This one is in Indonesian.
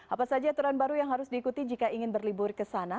apa saja aturan baru yang harus diikuti jika ingin berlibur ke sana